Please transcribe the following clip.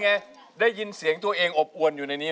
งั้นอัพพูดจะยินเสียงตัวเองอบอวนอยู่นะ